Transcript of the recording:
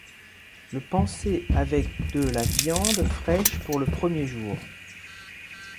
Le panser avec de la viande fraîche pour le premier jour.